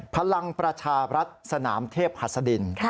พลังประชารัฐสนามเทพหัสดิน